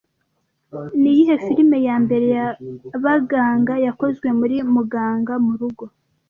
Niyihe filime ya mbere yabaganga yakozwe muri Muganga murugo